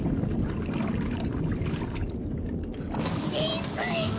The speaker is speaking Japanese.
浸水だ！